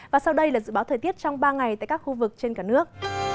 và sau đây là dự báo thời tiết trong ba ngày tại các khu vực trên cả nước